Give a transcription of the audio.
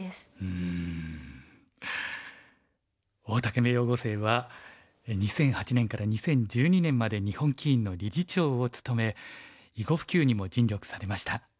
大竹名誉碁聖は２００８年から２０１２年まで日本棋院の理事長を務め囲碁普及にも尽力されました。